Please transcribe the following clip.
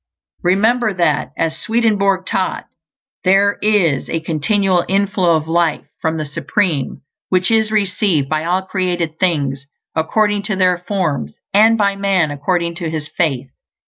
Remember that, as Swedenborg taught, there is a continual inflow of life from the Supreme, which is received by all created things according to their forms; and by man according to his faith.